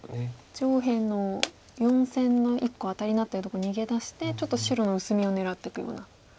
上辺の４線の１個アタリになってるところを逃げ出してちょっと白の薄みを狙っていくような。